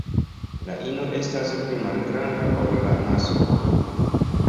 La ino estas pli malgranda ol la masklo.